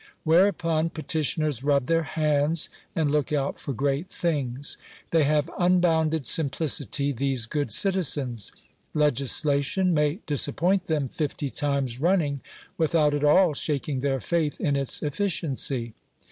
Whereupon petitioners rub their hands, and look out for great things. They have unbounded sim plicity — these good citizens. Legislation may disappoint them fifty times running, without at all shaking their faith in its efficiency.